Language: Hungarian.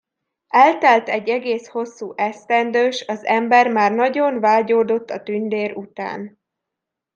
Eltelt egy egész hosszú esztendő, s az ember már nagyon vágyódott a tündér után.